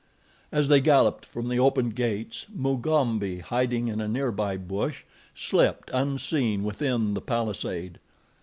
As they galloped from the open gates, Mugambi, hiding in a nearby bush, slipped, unseen, within the palisade.